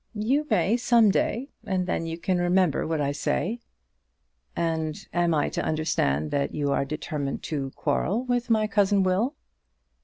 "You may some day; and then you can remember what I say." "And am I to understand that you are determined to quarrel with my cousin Will?"